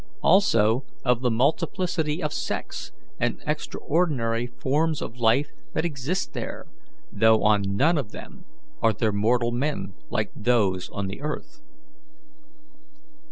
Also of the multiplicity of sex and extraordinary forms of life that exist there, though on none of them are there mortal men like those on the earth.